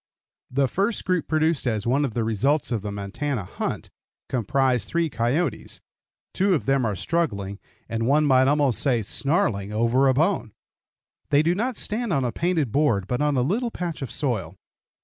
The first group produced as one of the results of the Montana hunt comprised three coyotes. Two of them are struggling, and one might almost say snarling, over a bone. They do not stand on a painted board, but on a little patch of soil.